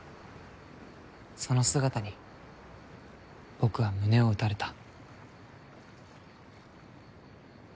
その姿に僕は胸を打たれた。